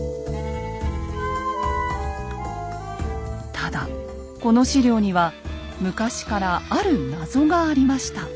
ただこの史料には昔からある謎がありました。